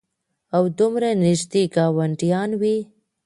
او دومره نېږدې ګاونډيان وي